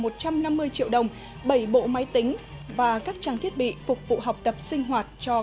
một trăm năm mươi triệu đồng bảy bộ máy tính và các trang thiết bị phục vụ học tập sinh hoạt cho các nhà trung tâm